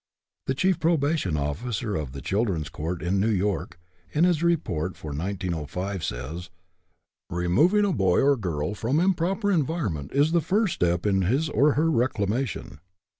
The chief probation officer of the children's court in New York, in his report for 1905, says :" Removing a boy or girl from im proper environment is the first step in his or her reclamation."